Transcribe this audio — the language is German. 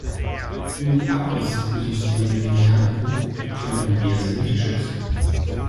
Wenn die Abrisssysteme nicht halten, können wir sie nicht schützen.